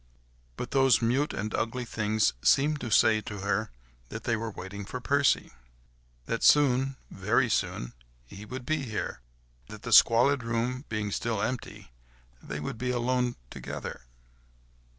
But those mute and ugly things seemed to say to her that they were waiting for Percy; that soon, very soon, he would be here, that the squalid room being still empty, they would be alone together.